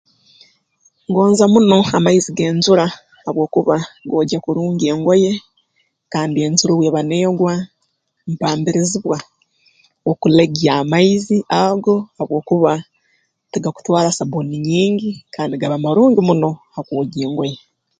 Ngonza muno amaizi g'enjura habwokuba googya kurungi engoye kandi enjura obu eba neegwa mpambirizibwa okulegya amaizi ago habwokuba tigakutwara sabbuuni nyingi kandi gaba marungi muno ha kwogya engoye